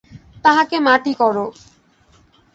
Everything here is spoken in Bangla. তাহাকে মাটি করো।